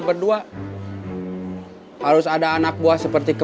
kita tanpa tegung buka zorgo